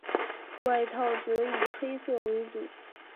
外套则以黑色为主。